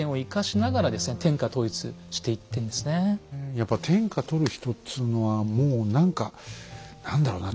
やっぱ天下取る人っつうのはもう何か何だろうな